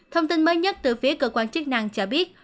thông tin mới nhất từ phía cơ quan chức năng cho biết